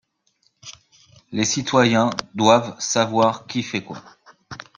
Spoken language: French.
Les citoyens doivent savoir qui fait quoi